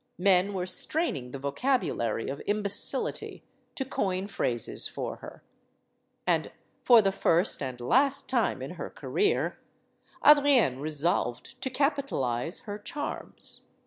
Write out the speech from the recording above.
Men were strain ing the vocabulary of imbecility to coin phrases for her. And for the first and last time in her career, Adrienne resolved to capitalize her charms.